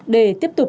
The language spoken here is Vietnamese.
ba để tiếp tục đáp